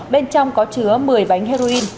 bên trong có chứa một mươi bánh heroin